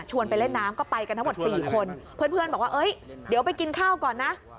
ไปเล่นน้ำก็ไปกันทั้งหมด๔คนเพื่อนบอกว่าเอ้ยเดี๋ยวไปกินข้าวก่อนนะ